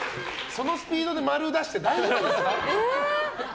そのスピードで○を出して大丈夫ですか？